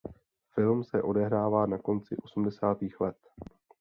Film se odehrává na konci osmdesátých let.